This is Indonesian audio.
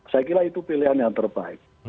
saya kira itu pilihan yang terbaik